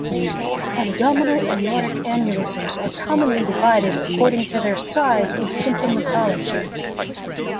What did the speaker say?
Abdominal aortic aneurysms are commonly divided according to their size and symptomatology.